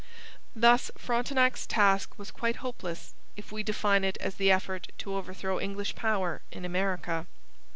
Thus Frontenac's task was quite hopeless, if we define it as the effort to overthrow English power in America.